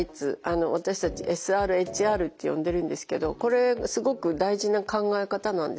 私たちＳＲＨＲって呼んでるんですけどこれすごく大事な考え方なんですね。